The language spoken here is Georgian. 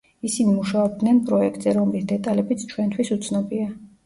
ისინი მუშაობდნენ პროექტზე, რომლის დეტალებიც ჩვენთვის უცნობია.